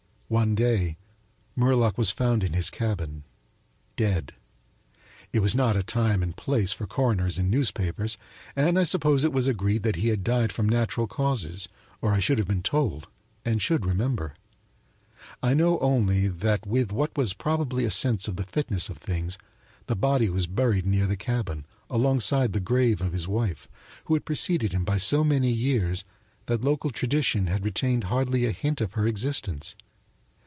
One day Murlock was found in his cabin, dead. It was not a time and place for coroners and newspapers, and I suppose it was agreed that he had died from natural causes or I should have been told, and should remember. I know only that with what was probably a sense of the fitness of things the body was buried near the cabin, alongside the grave of his wife, who had preceded him by so many years that local tradition had retained hardly a hint of her existence.